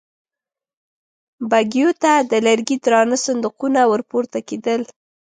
بګيو ته د لرګي درانه صندوقونه ور پورته کېدل.